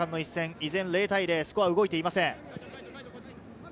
依然０対０、スコアが動いていません。